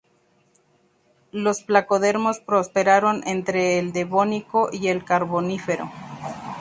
Los placodermos prosperaron entre el Devónico y el Carbonífero.